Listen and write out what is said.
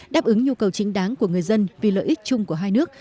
đáp ứng nhu cầu chính đáng của người dân vì lợi ích chung của hai nước